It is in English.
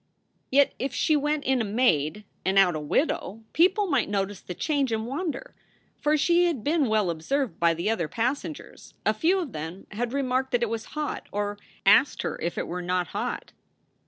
Yet if she went in a maid and out a widow, people might notice the change and wonder; for she had been well observed by the other passengers. A few of them had remarked that it was hot, or asked her if it were not hot.